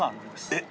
えっ⁉